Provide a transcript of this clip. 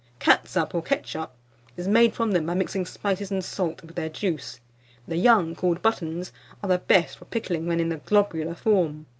CATSUP, or KETCHUP, is made from them by mixing spices and salt with their juice. The young, called buttons, are the best for pickling when in the globular form.